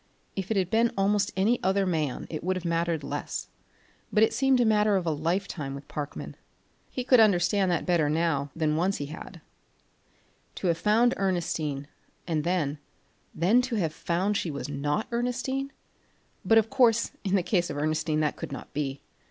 If it had been almost any other man, it would have mattered less, but it seemed a matter of a lifetime with Parkman. He could understand that better now than he once had. To have found Ernestine and then then to have found she was not Ernestine! But of course in the case of Ernestine that could not be.